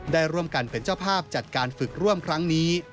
ได้ร่วมกันเป็นเจ้าภาพจัดการฝึกร่วมครั้งนี้